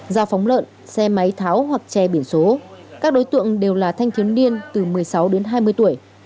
giao phóng lợn xe máy tháo hoặc che biển số các đối tượng đều là thanh thiếu niên từ một mươi sáu đến hai mươi tuổi